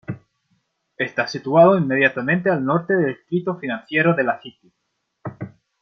Está situado inmediatamente al norte del distrito financiero de la City.